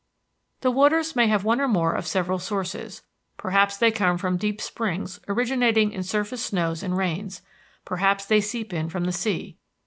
The waters may have one or more of several sources; perhaps they come from deep springs originating in surface snows and rains; perhaps they seep in from the sea.